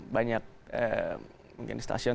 banyak mungkin stasiun